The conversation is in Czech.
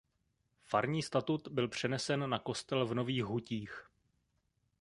Farní statut byl přenesen na kostel v Nových Hutích.